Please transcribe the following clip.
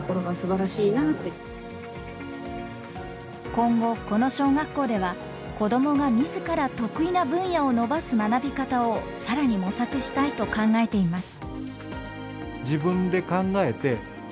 今後この小学校では子どもが自ら得意な分野を伸ばす学び方を更に模索したいと考えています。